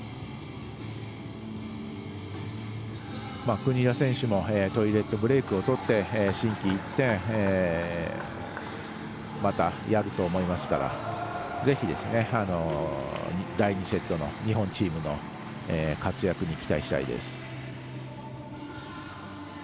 国枝選手もトイレットブレークをとって心機一転またやると思いますからぜひ、第２セットの日本チームの活躍に期待したいです。